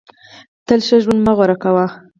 تل ښه ژوند مه غوره کوه.